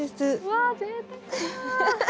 わあぜいたくだ。